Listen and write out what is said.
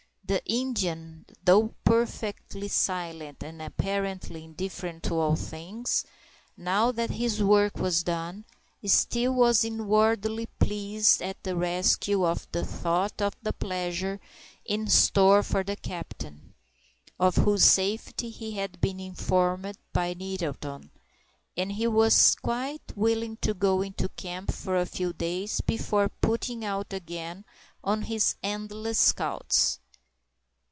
The Indian, though perfectly silent and apparently indifferent to all things, now that his work was done, still was inwardly pleased at the rescue and the thought of the pleasure in store for the captain, of whose safety he had been informed by Nettleton; and he was quite willing to go into camp for a few days before putting out again on his endless scouts.